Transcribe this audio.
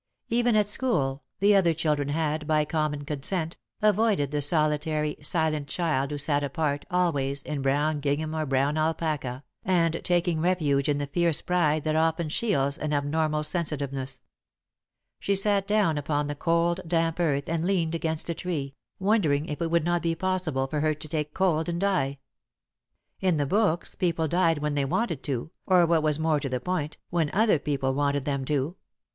Even at school, the other children had, by common consent, avoided the solitary, silent child who sat apart, always, in brown gingham or brown alpaca, and taking refuge in the fierce pride that often shields an abnormal sensitiveness. [Sidenote: In Real Life] She sat down upon the cold, damp earth and leaned against a tree, wondering if it would not be possible for her to take cold and die. In the books, people died when they wanted to, or, what was more to the point, when other people wanted them to.